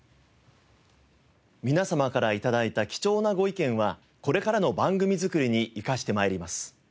皆様から頂いた貴重なご意見はこれからの番組作りに生かしてまいります。